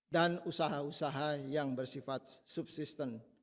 dan usaha usaha yang bersifat subsisten